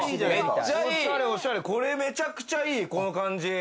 これめちゃくちゃいい、この感じ。